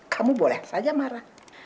kamu boleh saja marah